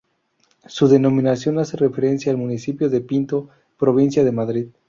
Su denominación hace referencia al municipio de Pinto, provincia de Madrid.